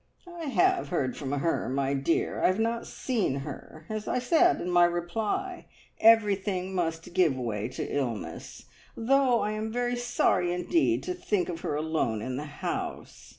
"I have heard from her, my dear. I have not seen her. As I said in my reply, everything must give way to illness, though I am very sorry indeed to think of her alone in the house.